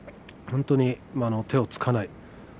本当に手をつかない。